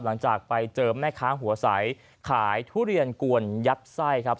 หลังจากไปเจอแม่ค้าหัวใสขายทุเรียนกวนยัดไส้ครับ